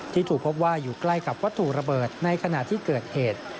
ที่ถูกพบว่าอยู่ใกล้กับวัตถุระเบิดในขณะที่เกิดเหตุ